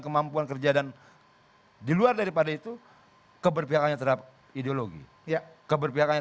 kemampuan kerja dan diluar daripada itu keberpihakannya terhadap ideologi ya keberpihakannya